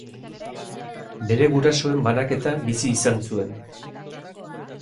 Bere gurasoen banaketa bizi izan zuen.